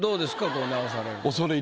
こう直されると。